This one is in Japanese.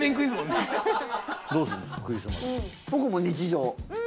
僕もう日常。